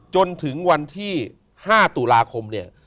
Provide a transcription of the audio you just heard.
จนถึงวันที่๕ตุลาคมเนี่ย